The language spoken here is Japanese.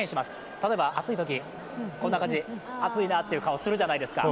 例えば暑いときこんな感じ、暑いなって顔するじゃないですか。